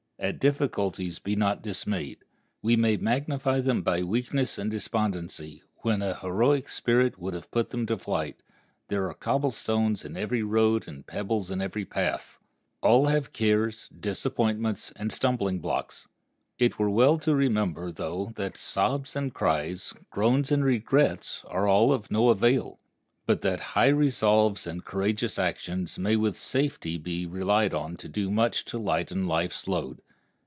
At difficulties be not dismayed. We may magnify them by weakness and despondency, when an heroic spirit would have put them to flight. There are cobble stones in every road and pebbles in every path. All have cares, disappointments, and stumbling blocks. It were well to remember, though, that sobs and cries, groans and regrets are of no avail, but that high resolves and courageous actions may with safety be relied on to do much to lighten life's load.